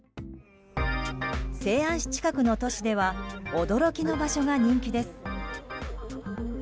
西安市近くの都市では驚きの場所が人気です。